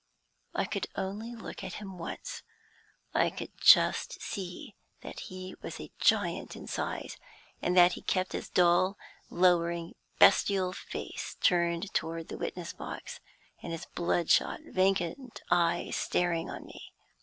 I could only look at him once. I could just see that he was a giant in size, and that he kept his dull, lowering, bestial face turned toward the witness box, and his bloodshot, vacant eyes staring on me.